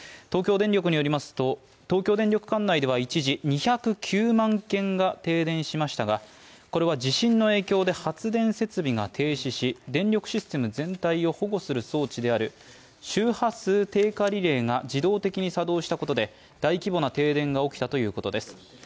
東京電力によりますと、東京電力管内では一時、２０９万軒が停電しましたが、これは地震の影響で発電設備が停止し、電力システム全体を保護する装置である周波数低下リレーが自動的に作動したことで、大規模な停電が起きたということです。